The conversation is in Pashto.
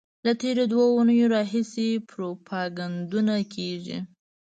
له تېرو دوو اونیو راهیسې پروپاګندونه کېږي.